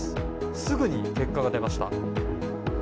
すぐに結果が出ました。